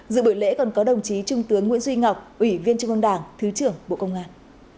dự buổi lễ còn có đồng chí trung tướng nguyễn duy ngọc ủy viên trung ương đảng thứ trưởng bộ công an